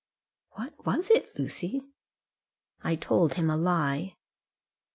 "What was that, Lucy?" "I told him a lie."